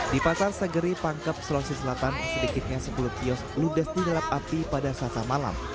di pasar sageri pangkep sulawesi selatan sedikitnya sepuluh kios ludes di dalam api pada selasa malam